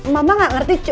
mama gak ngerti